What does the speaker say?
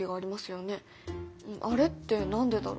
あれって何でだろう？